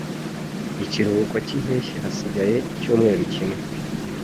Ikiruhuko cyimpeshyi hasigaye icyumweru kimwe.